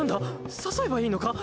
誘えばいいのか？